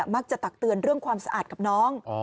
ตักเตือนเรื่องความสะอาดกับน้อง